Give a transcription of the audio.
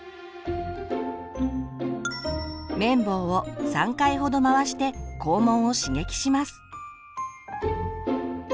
綿棒を３回ほど回して肛門を刺激します。